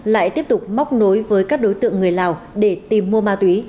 lại tiếp tục móc nối với các đối tượng người lào để tìm mua ma túy